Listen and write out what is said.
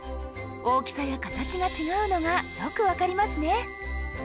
大きさや形が違うのがよく分かりますね。